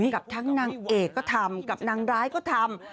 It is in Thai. กับทั้งนางเอกก็ทำกับนางร้ายก็ทำ